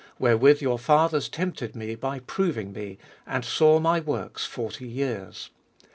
Wherewith your fathers tempted me by proving me, And saw my works forty years.